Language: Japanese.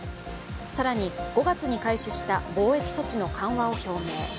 更に５月に開始した防疫措置の緩和を表明。